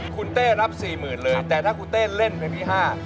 คุณเต้รับสี่หมื่นเลยแต่ถ้าคุณเต้เล่นไปที่ห้า